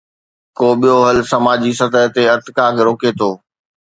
ڪو ٻيو حل سماجي سطح تي ارتقا کي روڪي ٿو.